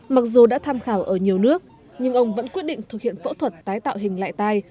mặc dù đã tham khảo ở nhiều nước nhưng ông vẫn quyết định thực hiện phẫu thuật tái tạo hình lại tai